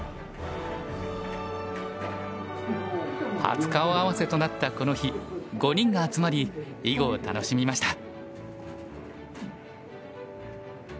初顔合わせとなったこの日５人が集まり囲碁を楽しみました。